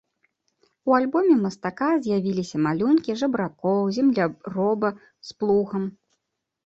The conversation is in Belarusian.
У альбоме мастака з'явіліся малюнкі жабракоў, земляроба з плугам.